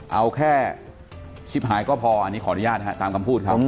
เอาแค่ชิบหายก็พออันนี้ขออนุญาตตามคำพูดครับ